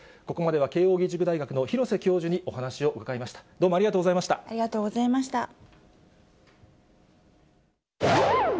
ここまでは慶応義塾大学の廣瀬教授にお話を伺いました。